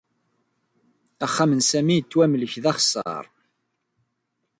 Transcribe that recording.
Axxam n Sami yettwamlek d axeṣṣar.